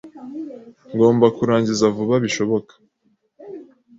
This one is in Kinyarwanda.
Ngomba kurangiza vuba bishoboka.